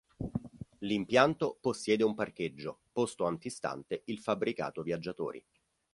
L'impianto possiede un parcheggio posto antistante il fabbricato viaggiatori.